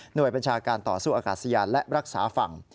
โดยบัญชาการต่อสู้อากาศยานและรักษาฝั่ง